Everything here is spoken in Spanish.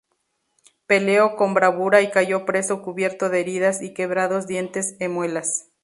Peleó con bravura y cayó preso cubierto de heridas y "quebrados dientes e muelas".